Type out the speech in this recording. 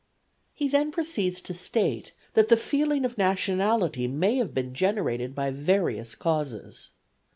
He then proceeds to state that the feeling of nationality may have been generated by various causes.